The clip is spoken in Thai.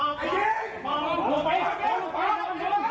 ไออียียนเข้าไปอ่ะ